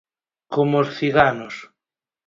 Como os ciganos...